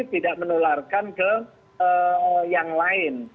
tidak menularkan ke yang lain